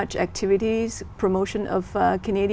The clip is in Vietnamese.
chỉ là một tổ chức của canada